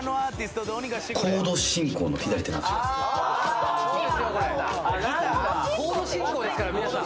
コード進行ですから皆さん。